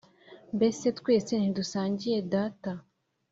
“Mbese twese ntidusangiye data?